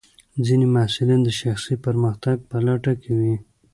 ځینې محصلین د شخصي پرمختګ په لټه کې وي.